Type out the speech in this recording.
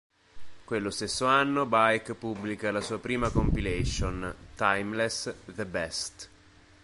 Quello stesso anno, Baek pubblica la sua prima compilation, "Timeless: The Best".